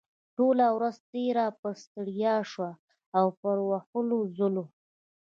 ټوله ورځ تېره پر ستړيا شوه او پر هلو ځلو.